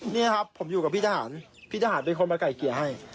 นี่ครับผมอยู่กับพี่ทหารพี่ทหารเป็นคนมาไก่เกลี่ยให้